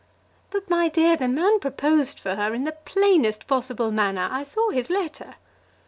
"But, my dear, the man proposed for her in the plainest possible manner. I saw his letter."